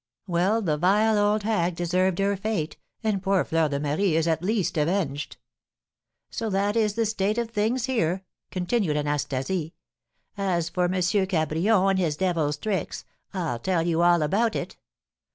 "Well, the vile old hag deserved her fate, and poor Fleur de Marie is at least avenged!" "So that is the state of things here," continued Anastasie. "As for M. Cabrion and his devil's tricks, I'll tell you all about it.